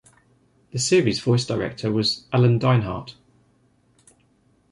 The series' voice director was Alan Dinehart.